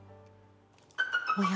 おや？